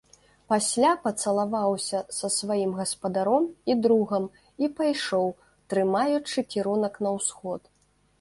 Пасля пацалаваўся са сваім гаспадаром і другам і пайшоў, трымаючы кірунак на ўсход.